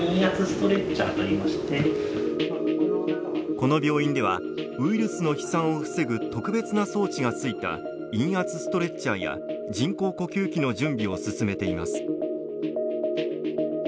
この病院では、ウイルスの飛散を防ぐ特別な装置がついた陰圧ストレッチャーや人工呼吸器の準備を進めています。